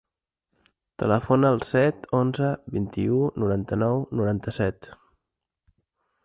Telefona al set, onze, vint-i-u, noranta-nou, noranta-set.